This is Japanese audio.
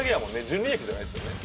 純利益じゃないですよね。